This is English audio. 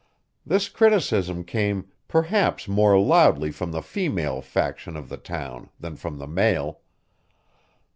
This criticism came, perhaps, more loudly from the female faction of the town than from the male.